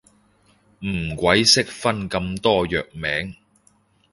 唔鬼識分咁多藥名